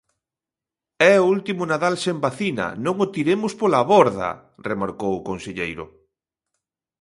"É o último Nadal sen vacina, non o tiremos pola borda", remarcou o conselleiro.